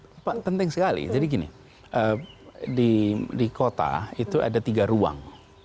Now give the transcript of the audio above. penting sekali jadi gini di kota itu ada tiga ruang